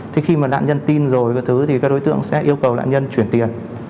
thế khi mà nạn nhân tin rồi về thứ thì các đối tượng sẽ yêu cầu nạn nhân chuyển tiền